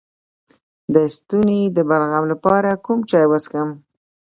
د ستوني د بلغم لپاره کوم چای وڅښم؟